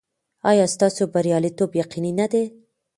ایا ستاسو بریالیتوب یقیني نه دی؟